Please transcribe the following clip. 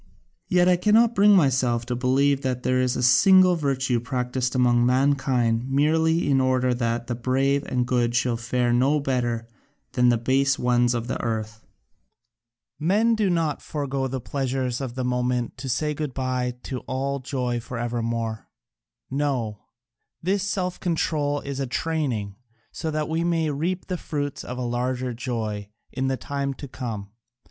Yet I cannot bring myself to believe that there is a single virtue practised among mankind merely in order that the brave and good should fare no better than the base ones of the earth. Men do not forego the pleasures of the moment to say good bye to all joy for evermore no, this self control is a training, so that we may reap the fruits of a larger joy in the time to come.